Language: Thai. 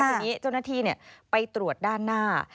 ทีนี้เจ้าหน้าที่ไปตรวจด้านหน้า